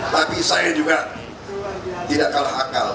tapi saya juga tidak kalah akal